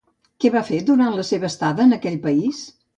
Què va fer durant la seva estada en aquell país?